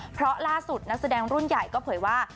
เพราะล่าสุดนักแสดงรุ่นใหญ่ก็เผยว่า